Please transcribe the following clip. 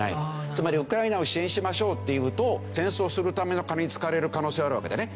つまりウクライナを支援しましょうっていうと戦争するためのお金に使われる可能性はあるわけだよね。